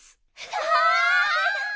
わあ！